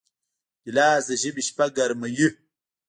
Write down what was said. ګیلاس د ژمي شپه ګرمه کوي.